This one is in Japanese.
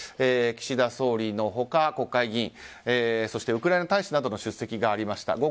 岸田総理の他、国会議員そしてウクライナ大使などの出席がありました。